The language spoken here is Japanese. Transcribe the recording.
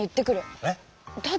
えっ？